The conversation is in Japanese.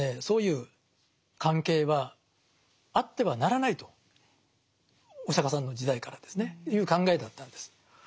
そういう関係はあってはならないとお釈迦さんの時代からですねいう考えだったんです。